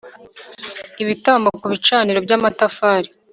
ibitambo ku bicaniro by amatafari